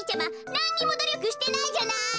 なんにもどりょくしてないじゃない。